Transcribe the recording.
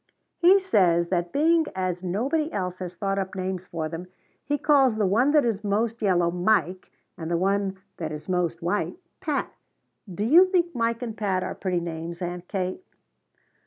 "He says that being as nobody else has thought up names for them, he calls the one that is most yellow, Mike; and the one that is most white, Pat. Do you think Mike and Pat are pretty names, Aunt Kate?"